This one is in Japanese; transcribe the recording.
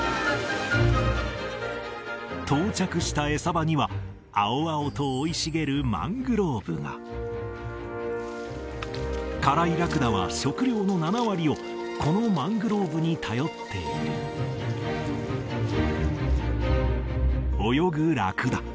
到着した餌場には青々と生い茂るマングローブがカライラクダは食料の７割をこのマングローブに頼っている泳ぐラクダ